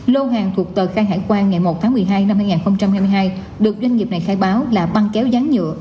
lô hàng thuộc tờ khai hải quan ngày một tháng một mươi hai năm hai nghìn hai mươi hai được doanh nghiệp này khai báo là băng kéo rán nhựa